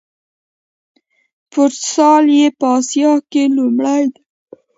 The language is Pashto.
فوټسال یې په اسیا کې لومړی دی.